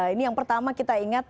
ini yang pertama kita ingat